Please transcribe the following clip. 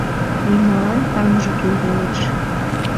Мемналан таҥже кӱлдалеш